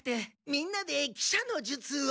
みんなで喜車の術を。